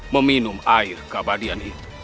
meminum air keabadian itu